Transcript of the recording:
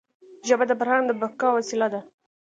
ژبه د فرهنګ د بقا وسیله ده.